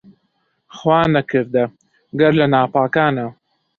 خوا نەکەردە گەر لە ناپاکانە